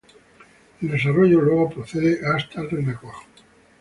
El desarrollo luego procede hasta el renacuajo.